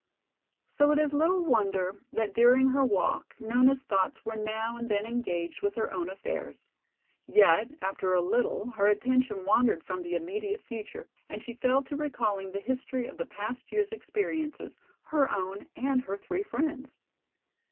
So it is little wonder that during her walk Nona's thoughts were now and then engaged with her own affairs. Yet after a little her attention wandered from the immediate future and she fell to recalling the history of the past years' experiences, her own and her three friends.